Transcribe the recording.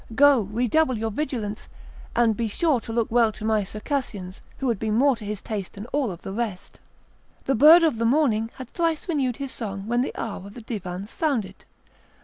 Go! redouble your vigilance, and be sure look well to my Circassians, who would be more to his taste than all of the rest." The bird of the morning had thrice renewed his song when the hour of the Divan sounded.